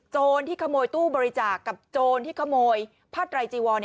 ที่ขโมยตู้บริจาคกับโจรที่ขโมยผ้าไตรจีวอน